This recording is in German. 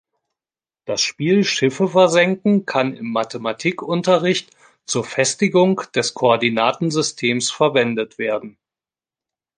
Das Spiel Schiffe versenken kann im Mathematikunterricht zur Festigung des Koordinatensystems verwendet werden.